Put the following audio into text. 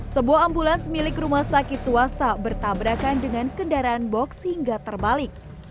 sebuah ambulans milik rumah sakit swasta bertabrakan dengan kendaraan box hingga terbalik